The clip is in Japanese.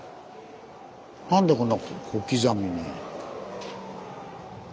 なんでこんな小刻みに。